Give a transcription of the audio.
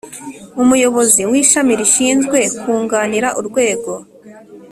Umuyobozi w ishami rishinzwe kunganira urwego